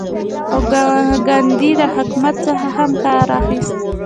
خو ګاندي له حکمت څخه هم کار اخیست.